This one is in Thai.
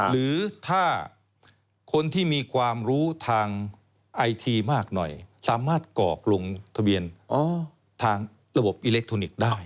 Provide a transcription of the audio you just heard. หรือถ้าคนที่มีความรู้ทางไอทีมากหน่อยสามารถกรอกลงทะเบียนทางระบบอิเล็กทรอนิกส์ได้